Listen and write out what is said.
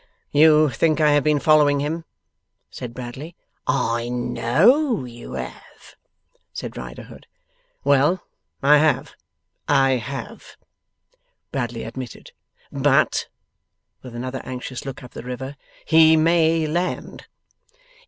'You think I have been following him?' said Bradley. 'I KNOW you have,' said Riderhood. 'Well! I have, I have,' Bradley admitted. 'But,' with another anxious look up the river, 'he may land.